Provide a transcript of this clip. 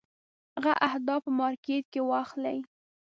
هغه اهداف په مارکېټ کې واخلي.